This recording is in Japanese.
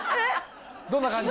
どんな感じ？